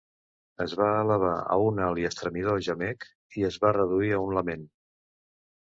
Es va elevar a un alt i estremidor gemec i es va reduir a un lament.